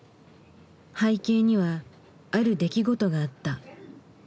背景にはある出来事があった。